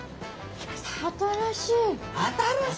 新しい！